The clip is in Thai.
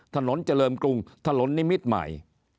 ถนนเจริญกรุงถนนนิมิตรใหม่